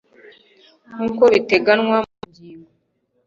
nk uko biteganywa mu ngingo